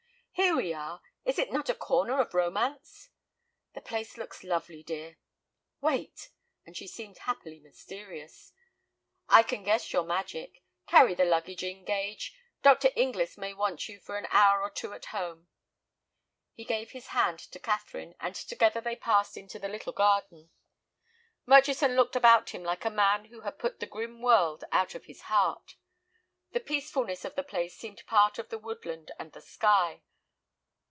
"Here we are! Is it not a corner of romance?" "The place looks lovely, dear." "Wait!" and she seemed happily mysterious. "I can guess your magic. Carry the luggage in, Gage; Dr. Inglis may want you for an hour or two at home." He gave his hand to Catherine, and together they passed into the little garden. Murchison looked about him like a man who had put the grim world out of his heart. The peacefulness of the place seemed part of the woodland and the sky.